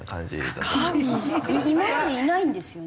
今までいないんですよね？